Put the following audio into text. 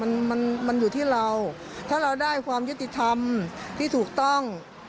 มันมันอยู่ที่เราถ้าเราได้ความยุติธรรมที่ถูกต้อง